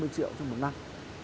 hai mươi triệu trong một năm